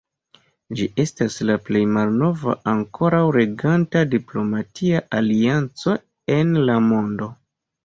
Ĝi estas la plej malnova ankoraŭ reganta diplomatia alianco en la mondo.